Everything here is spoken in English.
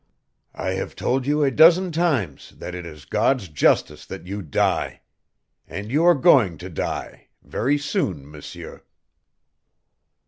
I have told you a dozen times that it is God's justice that you die. And you are going to die very soon, M'seur."